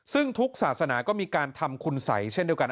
ซึ่งทุกศาสนาก็มีการทำคุณสัยเช่นเดียวกัน